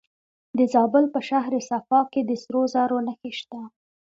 د زابل په شهر صفا کې د سرو زرو نښې شته.